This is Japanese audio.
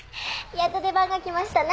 やっと出番が来ましたね。